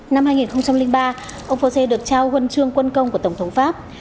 năm hai nghìn ba ông fose được trao huân chương quân công của tổng thống pháp